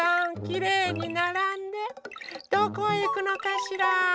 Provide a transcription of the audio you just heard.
きれいにならんでどこへいくのかしら？